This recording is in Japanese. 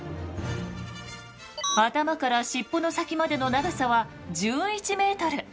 頭から尻尾の先までの長さは１１ｍ。